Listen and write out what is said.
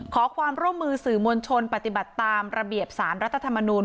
ขอความร่วมมือสื่อมวลชนปฏิบัติตามระเบียบสารรัฐธรรมนูล